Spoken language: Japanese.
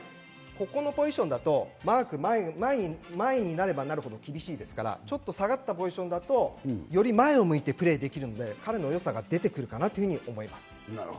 ここのポジションだとマーク、前になればなるほど厳しいですから、ちょっと下がったポジションだとより前を向いてプレーできるので、彼のよさが出てくると思います。